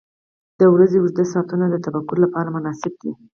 • د ورځې اوږده ساعتونه د تفکر لپاره مناسب دي.